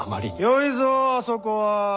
よいぞあそこは。